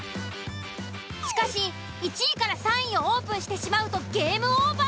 しかし１位３位をオープンしてしまうとゲームオーバー！